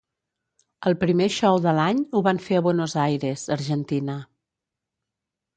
El primer show de l'any ho van fer a Buenos Aires, Argentina.